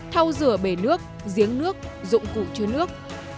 thao rửa bể nước giếng nước dụng cụ chứa nước